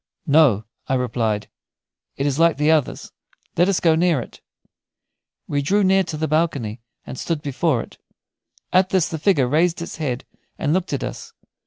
"No," I replied; "it is like the others. Let us go near it." We drew near to the balcony and stood before it. At this the figure raised its head and looked at us.